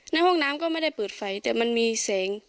ในห้องน้ำก็ไม่ได้เปิดไฟแต่มันมีแสง